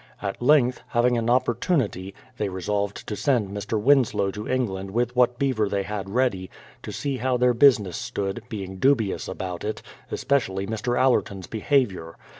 At length, having an opportunity, they resolved to send Mr. Winslow to England with what beaver they had ready, to see how their business stood, being dubious about it, especially Mr. Allerton's behaviour.